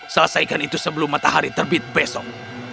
selesaikan itu sebelum matahari terbit besok